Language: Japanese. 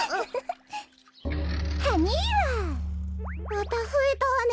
またふえたわね